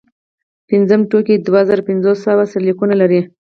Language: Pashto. پنځم ټوک دوه زره پنځه سوه سرلیکونه لري.